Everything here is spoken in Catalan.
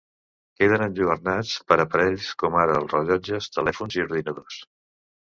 Queden enlluernats per aparells com ara els rellotges, telèfons i ordinadors.